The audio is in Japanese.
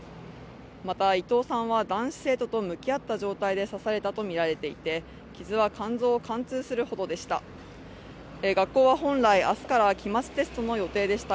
また、伊藤さんは男子生徒と向き合った状態で刺されたとミラレテイテ傷は肝臓を貫通するほどでした。